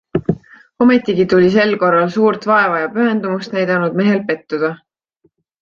Ometigi tuli sel korral suurt vaeva ja pühendumust näidanud mehel pettuda...